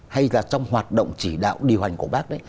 hay là trong hoạt động chỉ đạo điều hành của bác ấy